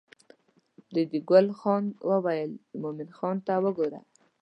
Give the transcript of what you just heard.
ریډي ګل خان وویل مومن خان ته وګوره.